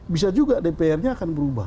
bisa juga dpr nya akan berubah